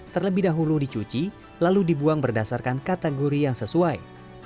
terlebih dahulu dicuci lalu dibuang berdasarkan kategori yang sesuai